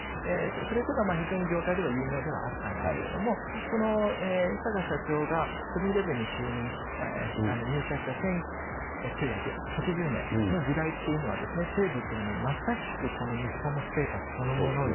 それというのは非常に業界では有名ではあったんですけれども、いさか社長がセブンーイレブンに入社した１９８０年の時代っていうのは、西武というのはまさしくこの日本ステータスそのもので。